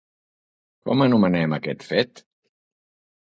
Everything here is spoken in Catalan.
Com anomenen aquest fet?